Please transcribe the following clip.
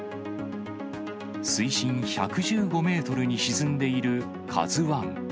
水深１１５メートルに沈んでいるカズワン。